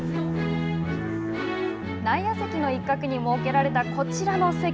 内野席の一角に設けられたこちらの席。